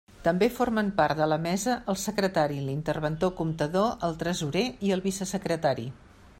També formen part de la mesa el secretari, l'interventor comptador, el tresorer i el vicesecretari.